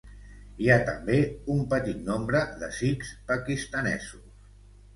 Hi ha també un petit nombre de sikhs pakistanesos.